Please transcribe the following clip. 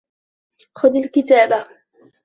خُذْ الْكِتَابَ.